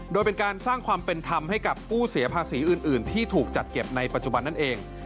โดยเป็นการสร้างความเป็นธรรมให้กับผู้เสียภาษีอื่นที่ถูกจัดเก็บในปัจจุบันนั่นเอง